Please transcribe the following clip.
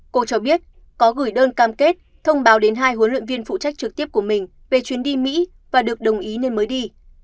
cô cho biết có gửi đơn cam kết thông báo đến hai huấn luyện viên phụ trách trực tiếp của mình về chuyến đi mỹ và được đồng ý nên mới đi